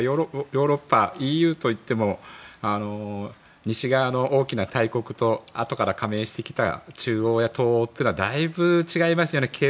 ヨーロッパ、ＥＵといっても西側の大きな大国とあとから加盟してきた中欧や東欧はだいぶ違いますよね。